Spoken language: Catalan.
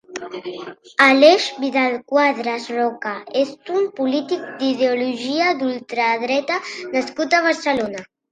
Aleix Vidal-Quadras Roca és un polític d'ideologia d'ultradreta nascut a Barcelona.